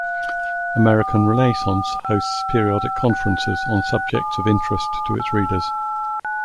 American Renaissance hosts periodic conferences on subjects of interest to its readers.